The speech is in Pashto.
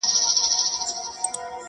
• له محشره نه دی کم هغه ساعت چي,